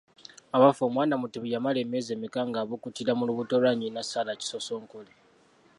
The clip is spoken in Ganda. Abaffe omwana Mutebi yamala emyezi emeka ng’abukutira mu lubuto lwa nnyina Sarah Kisosonkole?